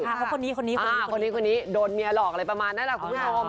อ้าวคนนี้โดนเมียหลอกอะไรประมาณนั้นครับคุณผู้ชม